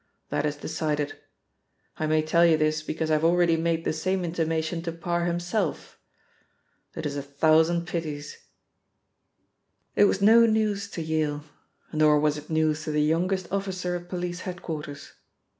That is decided. I may tell you this, because I have already made the same intimation to Parr himself. It is a thousand pities." It was no news to Vale: nor was it news to the youngest officer at police head quarters.